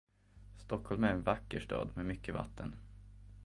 Stockholm är en vacker stad med mycket vatten.